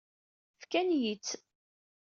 Fkant-iyi-tt.